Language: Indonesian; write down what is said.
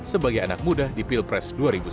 sebagai anak muda di pilpres dua ribu sembilan belas